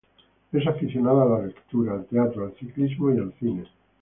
Es aficionado a la lectura, al teatro, al ciclismo y al cine.